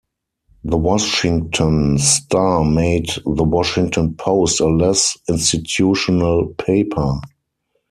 The Washington Star made The Washington Post a less institutional paper.